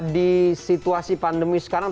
di situasi pandemi sekarang